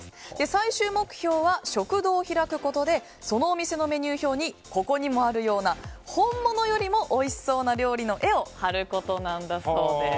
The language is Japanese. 最終目標は食堂を開くことでそのお店のメニュー表にここにもあるような本物よりもおいしそうな絵を貼ることなんだそうです。